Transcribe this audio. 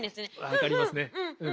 分かりますね。